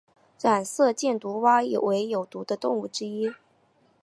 染色箭毒蛙为有毒的动物之一。